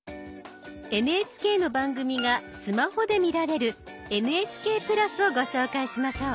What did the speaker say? ＮＨＫの番組がスマホで見られる「ＮＨＫプラス」をご紹介しましょう。